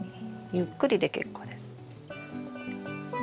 ゆっくりで結構です。